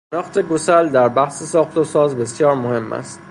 شناخت گسل در بحث ساخت و ساز بسیار مهم است.